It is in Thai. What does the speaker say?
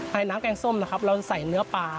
น้ำแกงส้มนะครับเราใส่เนื้อปลา